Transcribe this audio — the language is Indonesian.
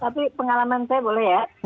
tapi pengalaman saya boleh ya